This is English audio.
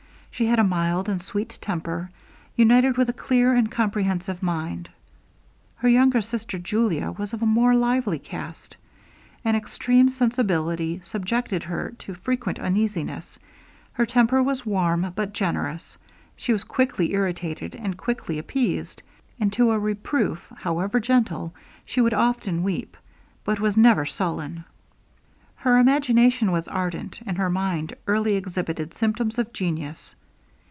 She had a mild and sweet temper, united with a clear and comprehensive mind. Her younger sister, Julia, was of a more lively cast. An extreme sensibility subjected her to frequent uneasiness; her temper was warm, but generous; she was quickly irritated, and quickly appeased; and to a reproof, however gentle, she would often weep, but was never sullen. Her imagination was ardent, and her mind early exhibited symptoms of genius.